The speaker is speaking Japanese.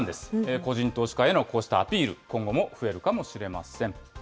個人投資家へのこうしたアピール、今後も増えるかもしれません。